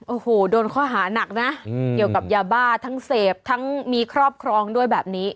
โอ้โหโดนข้อหานักนะเกี่ยวกับยาบ้าทั้งเสพทั้งมีครอบครองด้วยแบบนี้